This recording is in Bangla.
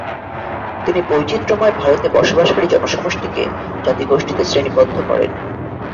তিনি বৈচিত্র্যময় ভারতে বসবাসকারী জনসমষ্টিকে জাতিগোষ্ঠীতে শ্রেণীবদ্ধ করেন।